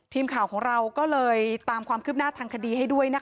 ทีมข่าวของเราก็เลยตามความคืบหน้าทางคดีให้ด้วยนะคะ